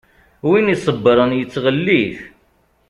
Win i iṣebbṛen yettɣellit.